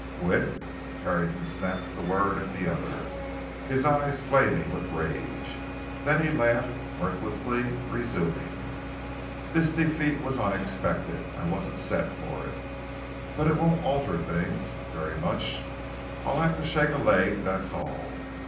"Quit?" Carrington snapped the word at the other, his eyes flaming with rage. Then he laughed, mirthlessly, resuming: "This defeat was unexpected; I wasn't set for it. But it won't alter things—very much. I'll have to shake a leg, that's all.